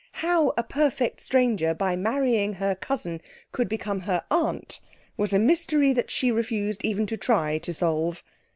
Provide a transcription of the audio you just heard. How a perfect stranger, by marrying her cousin, could become her aunt, was a mystery that she refused even to try to solve.